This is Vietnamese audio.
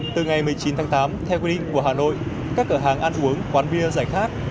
từ ngày một mươi chín tháng tám theo quy định của hà nội các cửa hàng ăn uống quán bia giải khác